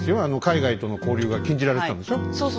あの海外との交流が禁じられてたんでしょ？